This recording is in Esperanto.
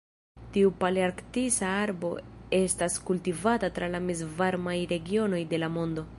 Tiu palearktisa arbo estas kultivata tra la mezvarmaj regionoj de la mondo.